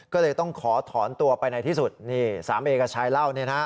ก็เลยต้องขอถอนตัวไปในที่สุดนี่สามเอกชายเล่าเนี่ยนะ